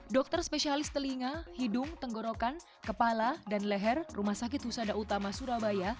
dokter spesialis telinga hidung tenggorokan kepala dan leher rumah sakit husada utama surabaya